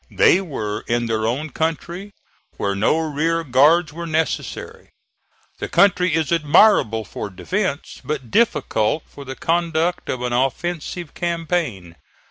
They were in their own country, where no rear guards were necessary. The country is admirable for defence, but difficult for the conduct of an offensive campaign.